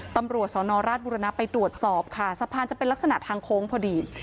ตำรวจสนราชบุรณะไปตรวจสอบค่ะสะพานจะเป็นลักษณะทางโค้งพอดี